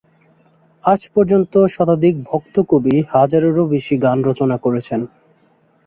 আজ পর্য্যন্ত শতাধিক ভক্ত কবি হাজারের ও বেশি গান রচনা করেছেন।